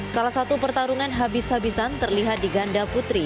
salah satu pertarungan habis habisan terlihat di ganda putri